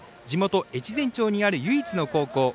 地元・越前町にある唯一の高校。